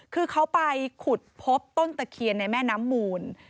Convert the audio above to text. คือเขาไปขุดพบต้นตะเคียนในแม่น้ำมูล